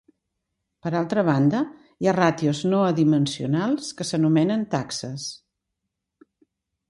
Per altra banda, hi ha ràtios no adimensionals que s'anomenen taxes.